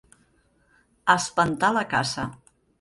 Espantar la caça.